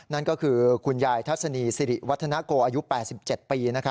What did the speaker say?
นั่นก็คือคุณยายทัศนีสิริวัฒนาโกอายุ๘๗ปี